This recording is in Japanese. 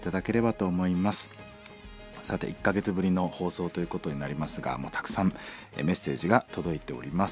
さて１か月ぶりの放送ということになりますがたくさんメッセージが届いております。